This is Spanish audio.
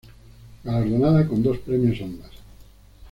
Galardonada con dos premios Ondas.